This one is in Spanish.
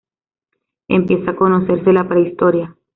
Empieza a conocerse la prehistoria.